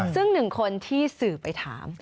ซึ่งหนึ่งคนที่สื่อไปถาม